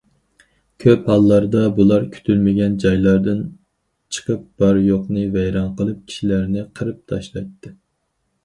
كۆپ ھاللاردا بۇلار كۈتۈلمىگەن جايلاردىن چىقىپ، بار- يوقنى ۋەيران قىلىپ، كىشىلەرنى قىرىپ تاشلايتتى.